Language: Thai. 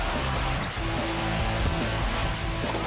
โอ้โหแข้งหนุ่มวัย๑๙ปีปรณัชกิติภาณวงศ์